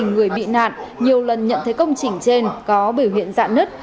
tình người bị nạn nhiều lần nhận thấy công trình trên có biểu hiện dạn nứt